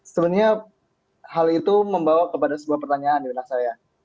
sebenarnya hal itu membawa kepada sebuah pertanyaan di benak saya